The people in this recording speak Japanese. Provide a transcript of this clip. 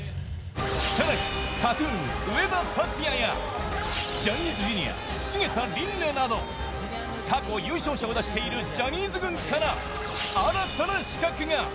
更にＫＡＴ−ＴＵＮ、上田竜也やジャニーズＪｒ．菅田琳寧など過去優勝者を出しているジャニーズ軍から新たな刺客が。